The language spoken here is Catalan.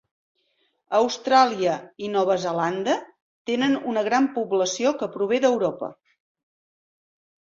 Austràlia i Nova Zelanda tenen una gran població que prové d'Europa.